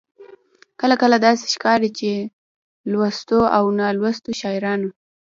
کله کله داسې ښکاري چې لوستو او نالوستو شاعرانو.